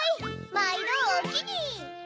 まいどおおきに！